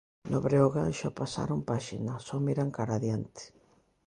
No Breogán xa pasaron páxina, só miran cara a diante.